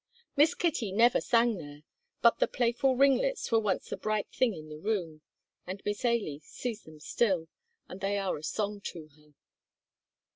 Miss Kitty never sang there, but the playful ringlets were once the bright thing in the room, and Miss Ailie sees them still, and they are a song to her.